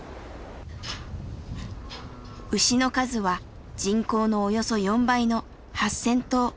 牛の数は人口のおよそ４倍の８，０００頭。